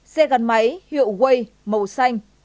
xe gắn máy hiệu way màu xanh